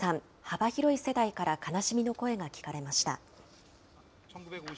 幅広い世代から悲しみの声が聞かれました。